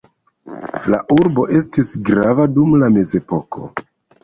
La urbo estis grava dum la Mezepoko.